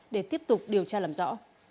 để tiếp tục điều tra làm rõ